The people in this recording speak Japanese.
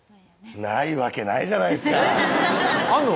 ないわけないじゃないですかえっあんの？